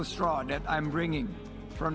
terima kasih loma